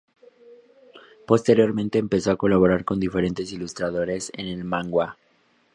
Posteriormente empezó a colaborar con diferentes ilustradores en el manhwa.